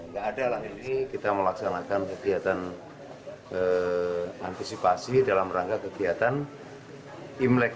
tidak ada lagi kita melaksanakan kegiatan antisipasi dalam rangka kegiatan imlek